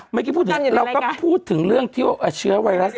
เมื่อกี้พูดถึงเราก็พูดถึงเรื่องที่ว่าเชื้อไวรัส